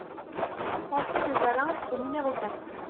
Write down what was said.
Sentier des Alains au numéro quatre